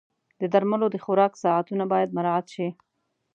د درملو د خوراک ساعتونه باید مراعت شي.